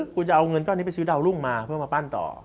คุณจะเอาเงินก้อนนี้ไปซื้อดาวรุ่งมาเพื่อมาปั้นต่อ